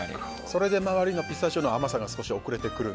それで周りのピスタチオの甘さが少し遅れてくる。